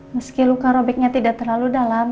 meski luka robiknya tidak terlalu dalam